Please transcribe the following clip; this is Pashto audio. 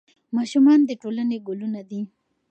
ماشومان د ټولنې ګلونه دي.